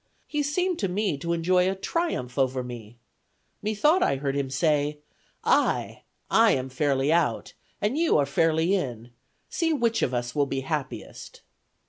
He seemed to me to enjoy a triumph over me. Methought I heard him say, 'Ay! I am fairly out, and you are fairly in! See which of us will be happiest.'